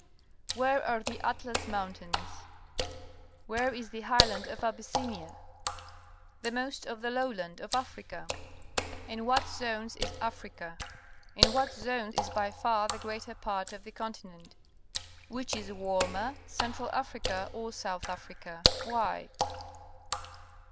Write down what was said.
Where are the Atlas Mountains? Where is the highland of Abys sinia? The most of the lowland of Africa? In what zones is Africa? the greater part of the continent? Which warmer, Central Africa or South Africa? Why?